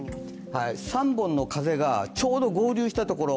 ３本の風がちょうど合流したところ